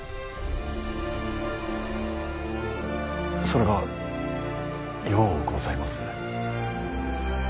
それがようございます。